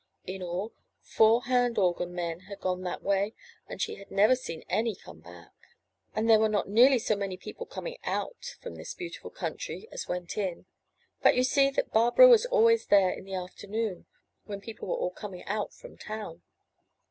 In all, four hand organ men had gone that way and she had never seen any come back, and 439 MY BOOK HOUSE there were not nearly so many people coming out from this beautiful country as went in; but you see that Barbara was always there in the afternoon, when people were all coming out from town.